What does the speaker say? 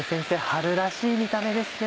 春らしい見た目ですね。